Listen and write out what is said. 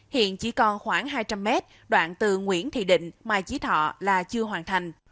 hiện chỉ còn khoảng hai trăm linh m đoạn từ nguyễn thị định mai chí thọ là chưa hoàn thành